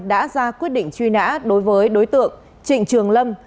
đã ra quyết định truy nã đối với đối tượng trịnh trường lâm